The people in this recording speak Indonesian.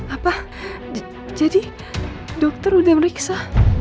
apa jadi dokter udah meriksa